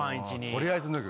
「とりあえず脱ぐ」